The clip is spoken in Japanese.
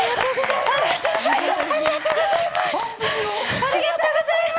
ありがとうございます！